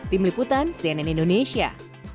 tim liputan cnn indonesia